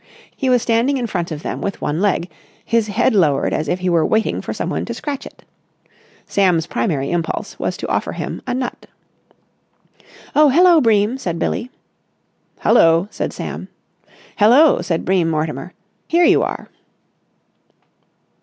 He was standing in front of them with one leg, his head lowered as if he were waiting for someone to scratch it. Sam's primary impulse was to offer him a nut. "Oh, hello, Bream!" said Billie. "Hullo!" said Sam. "Hello!" said Bream Mortimer. "Here you are!"